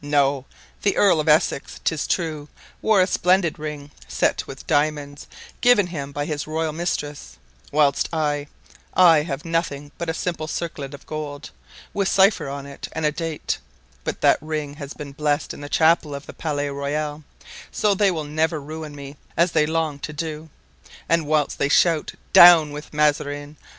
No! The Earl of Essex, 'tis true, wore a splendid ring, set with diamonds, given him by his royal mistress, whilst I—I have nothing but a simple circlet of gold, with a cipher on it and a date; but that ring has been blessed in the chapel of the Palais Royal,* so they will never ruin me, as they long to do, and whilst they shout, 'Down with Mazarin!